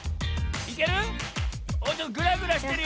いける？